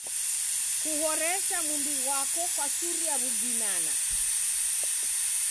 Kuhoresha muw'i ghwako kwachuria w'ubinana.